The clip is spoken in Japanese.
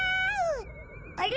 あれ？